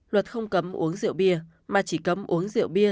luật không cấm uống rượu bia mà chỉ cấm uống rượu bia